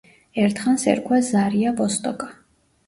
ერთხანს ერქვა ზარია ვოსტოკა.